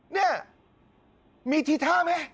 นี่แหละมีทีท่าไหม